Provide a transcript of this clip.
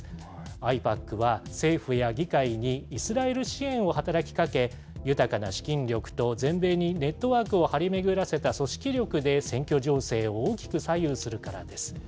ＡＩＰＡＣは政府や議会にイスラエル支援を働きかけ、豊かな資金力と全米にネットワークを張り巡らせた組織力で選挙情勢を大きく左右するからです。